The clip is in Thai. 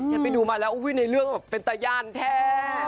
ย้ำมิดูมาแล้ววิววิวในเรื่องเป็นตายานแท่